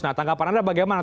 nah tanggapan anda bagaimana